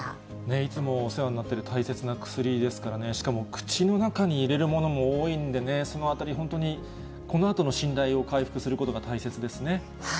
いつもお世話になっている大切な薬ですからね、しかも口の中に入れるものも多いんでね、そのあたり、本当にこのあとの信頼を回復することが大切ですね。